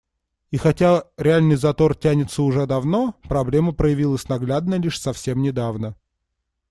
И хотя реальный затор тянется уже давно, проблема проявилась наглядно лишь совсем недавно.